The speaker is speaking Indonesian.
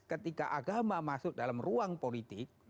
ketika agama masuk dalam ruang politik